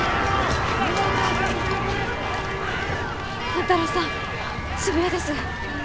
万太郎さん渋谷です。